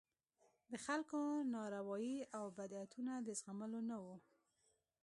د خلکو نارواوې او بدعتونه د زغملو نه وو.